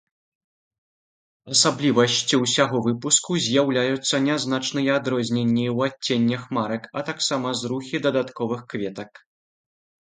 Асаблівасцю ўсяго выпуску з'яўляюцца нязначныя адрозненні ў адценнях марак, а таксама зрухі дадатковых кветак.